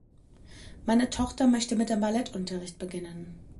Meine Tochter möchte mit dem Ballettunterricht beginnen.